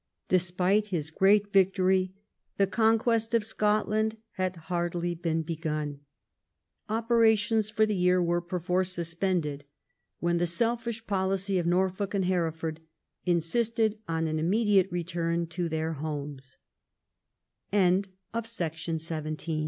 Despite his gi'eat victory, the conquest of Scotland had hardly been begun. Operations for the year were perforce suspended, when the selfish policy of Norfolk and Hereford insisted on an immediate return to their home